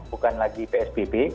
bukan lagi psbb